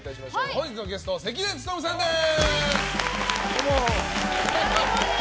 本日のゲスト、関根勤さんです。